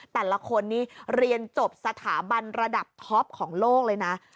แต่ละคนนี้เรียนจบสถาบันระดับท็อปของโลกเลยนะ